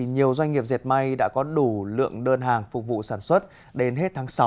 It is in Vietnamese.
nhiều doanh nghiệp dệt may đã có đủ lượng đơn hàng phục vụ sản xuất